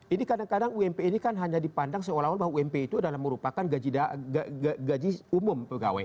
ini kadang kadang ump ini kan hanya dipandang seolah olah bahwa ump itu adalah merupakan gaji umum pegawai